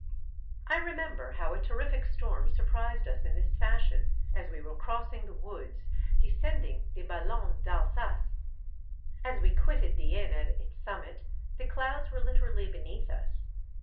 I remember how a terrific storm surprised us in this fashion as we were crossing the woods, descending the Ballon d'Alsace. As we quitted the inn at its summit, the clouds were literally beneath us.